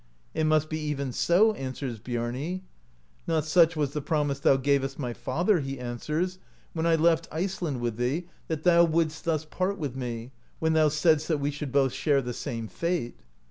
"It must be even so/' answers Biarni. "Not such was the promise thou gavest my father/* he answers, "when I left Iceland with thee, that thou wouldst thus part with me, when thou saidst that we should both share the same fate."